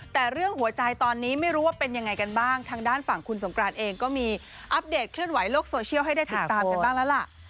แต่เรื่องหัวใจตอนนี้ไม่รู้ว่าเป็นยังไงกันบ้างทางด้านฝั่งคุณสงกรานเองก็มีอัปเดตเคลื่อนไหวโลกโซเชียลให้ได้ติดตามกันบ้างแล้วล่ะ